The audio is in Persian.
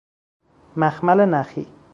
مخمل نخی